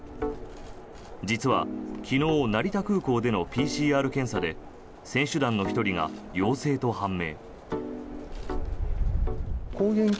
実は昨日、成田空港でのＰＣＲ検査で選手団の１人が陽性と判明。